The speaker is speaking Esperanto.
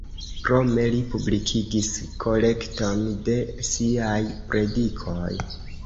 Krome li publikigis kolekton de siaj predikoj.